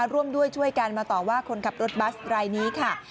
ร่วมด้วยช่วยกันมาต่อว่าคนขับรถบัสรายนี้ค่ะ